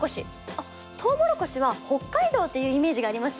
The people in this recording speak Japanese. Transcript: あっとうもろこしは北海道っていうイメージがあります。